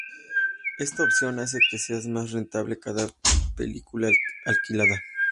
Esta opción hace que sea más rentable cada película alquilada.